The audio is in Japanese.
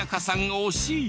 惜しい！